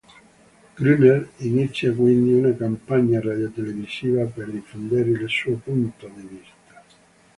Gruner inizia quindi una campagna radiotelevisiva per diffondere il suo punto di vista.